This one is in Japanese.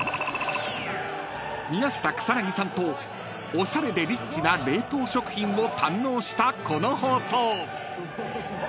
［宮下草薙さんとおしゃれでリッチな冷凍食品を堪能したこの放送］